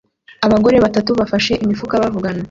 Abagore batatu bafashe imifuka bavugana